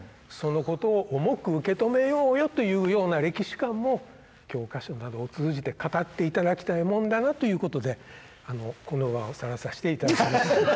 そのことを重く受け止めようよというような歴史観も教科書などを通じて語って頂きたいものだなということでこの場を去らさせて頂きます。